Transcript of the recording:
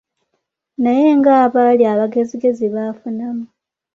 Naye ng’abaali abagezigezi baafunamu.